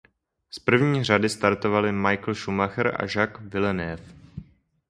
Z první řady startovali Michael Schumacher a Jacques Villeneuve.